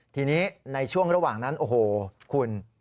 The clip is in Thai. ทีนี้ในช่วงระหว่างนั้นโอ้โหคุณ